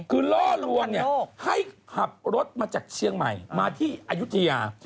คือล่อลวงให้ขับรถมาจากเชียงใหม่มาที่อายุทยา